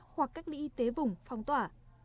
hoặc cách ly y tế vùng phong tỏa